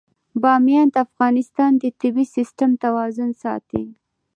بامیان د افغانستان د طبعي سیسټم توازن ساتي.